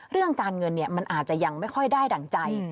เรื่องการเงินมันอาจจะยังไม่ค่อยได้ดั่งใจ